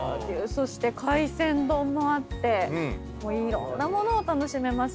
そして海鮮丼もあっていろんなものを楽しめますね。